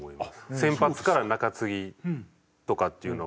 先発から中継ぎとかっていうのは。